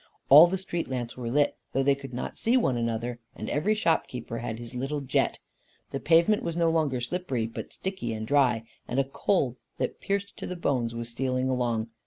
All the street lamps were lit, though they could not see one another, and every shop keeper had his little jet. The pavement was no longer slippery, but sticky and dry; and a cold, that pierced to the bones, was stealing along.